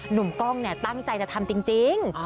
หนุ่มกล้องตั้งใจจะทำจริง